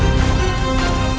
kamu benar benar curangnya